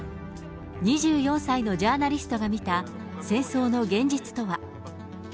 ２４歳のジャーナリストが見た戦争の現実とは。